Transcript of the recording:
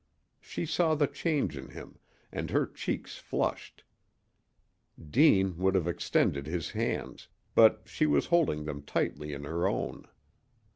She saw the change in him, and her cheeks flushed. Deane would have extended his hands, but she was holding them tightly in her own.